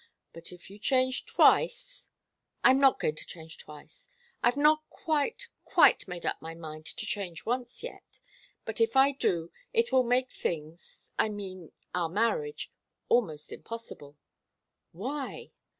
But if you change twice " "I'm not going to change twice. I've not quite, quite made up my mind to change once, yet. But if I do, it will make things I mean, our marriage almost impossible." "Why?"